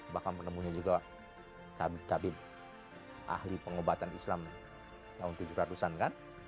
bahkan penemunya juga kabit tabib ahli pengobatan islam tahun tujuh ratus an kan